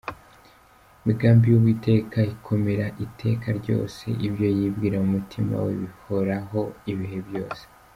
Imigambi y’Uwiteka ikomera iteka ryose, Ibyo yibwira mu mutima we bihoraho ibihe byose.